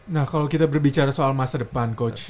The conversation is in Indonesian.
nah kalau kita berbicara soal masa depan coach